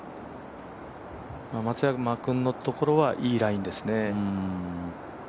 松山君のところはいいラインですね。